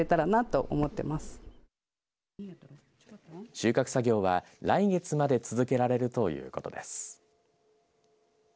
収穫作業は来月まで続けられるということです。